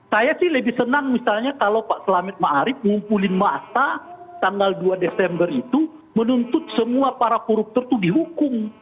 saya sih lebih senang misalnya kalau pak selamet ma'arif ngumpulin masa tanggal dua desember itu menuntut semua para kurup tertuh dihukum